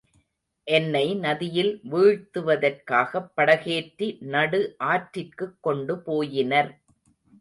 என்னை நதியில் வீழ்த்துவதற்காகப் படகேற்றி நடு ஆற்றிற்குக்கொண்டு போயினர்.